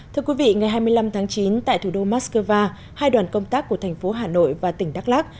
thưa quý vị ngày hai mươi năm tháng chín tại thủ đô moscow hai đoàn công tác của thành phố hà nội và tỉnh đắk lắc